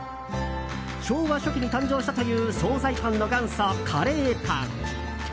昭和初期に誕生したという総菜パンの元祖、カレーパン。